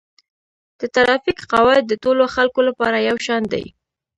د ترافیک قواعد د ټولو خلکو لپاره یو شان دي.